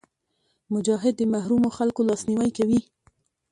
مجاهد د محرومو خلکو لاسنیوی کوي.